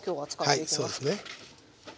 はいそうですね。